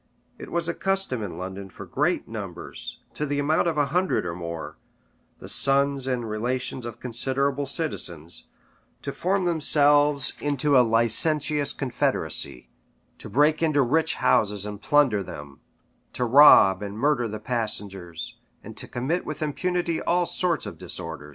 It was a custom in London for great numbers, to the amount of a hundred or more, the sons and relations of considerable citizens, to form themselves into a licentious confederacy, to break into rich houses and plunder them, to rob and murder the passengers, and to commit with impunity all sorts of disorder.